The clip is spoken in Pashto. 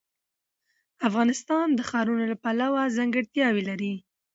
افغانستان د ښارونو له پلوه ځانګړتیاوې لري.